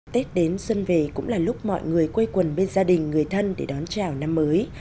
tết đến xuân về cũng là lúc mọi người quây quần bên gia đình người thân để đón chào năm mới